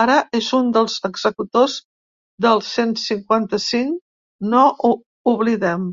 Ara, és un dels executors del cent cinquanta-cinc, no ho oblidem.